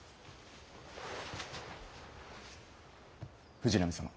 藤波様。